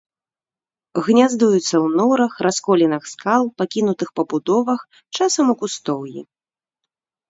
Гняздуюцца ў норах, расколінах скал, пакінутых пабудовах, часам у кустоўі.